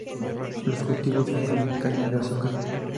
Los cultivos incluyen caña de azúcar.